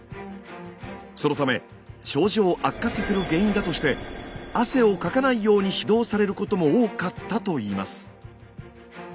そのため症状を悪化させる原因だとして汗をかかないように指導されることも多かったといいます。